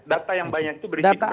data yang banyak itu berarti berhasil